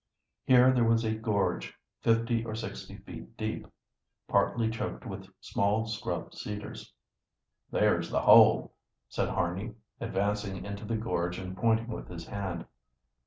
Here there was a gorge fifty or sixty feet deep, partly choked with small scrub cedars. "There's the hole," said Harney, advancing into the gorge and pointing with his hand.